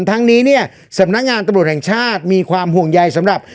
ทั้งนี้เนี่ยสำนักงานตำรวจแห่งชาติมีความห่วงใยสำหรับ